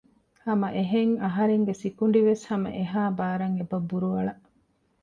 ހަމައެހެން އަހަރެންގެ ސިކުނޑިވެސް ހަމަ އެހާ ބާރަށް އެބަ ބުރުއަޅަ